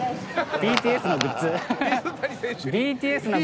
ＢＴＳのグッズか。